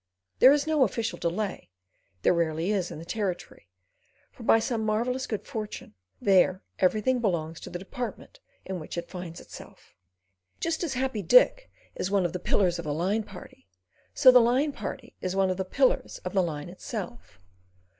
There is no official delay—there rarely is in the Territory—for by some marvellous good fortune, there everything belongs to the Department in which it finds itself. Just as Happy Dick is one of the pillars of the line party, so the line party is one of the pillars of the line itself.